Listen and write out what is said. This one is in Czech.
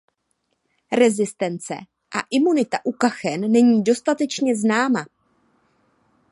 Rezistence a imunita u kachen není dostatečně známa.